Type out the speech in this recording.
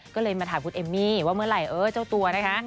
ก็เลยมาถามคุณเอมมี่ว่าเมื่อไหร่เออเจ้าตัวนะคะ